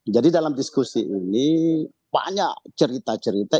jadi dalam diskusi ini banyak cerita cerita